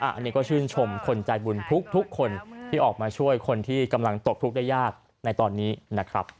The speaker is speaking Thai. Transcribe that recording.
อันนี้ก็ชื่นชมคนใจบุญทุกคนที่ออกมาช่วยคนที่กำลังตกทุกข์ได้ยากในตอนนี้นะครับ